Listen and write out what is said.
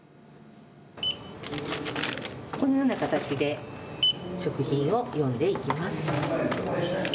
このような形で食品を読んでいきます。